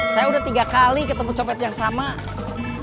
copetnya saya udah tiga kali ketemu copetnya saya udah tiga kali ketemu